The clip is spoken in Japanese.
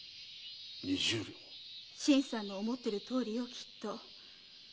新さんの思ってるとおりよきっと。